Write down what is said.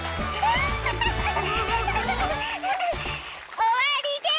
おわりです！